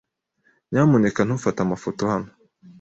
Nyamuneka ntufate amafoto hano.